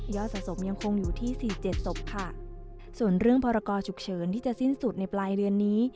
สะสมยังคงอยู่ที่สี่เจ็ดศพค่ะส่วนเรื่องพรกรฉุกเฉินที่จะสิ้นสุดในปลายเดือนนี้